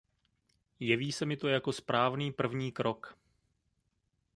Jeví se mi to jako správný první krok.